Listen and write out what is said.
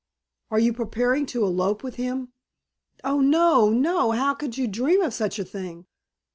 "Are you preparing to elope with him?" "Oh! No! No! How could you dream of such a thing?"